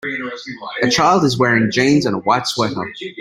A child is wearing jeans and a white sweater.